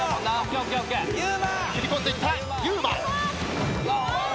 切り込んでいったゆうま。